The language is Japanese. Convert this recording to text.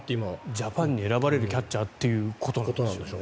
ジャパンに選ばれるキャッチャーということですよ。